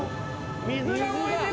水が燃えてる！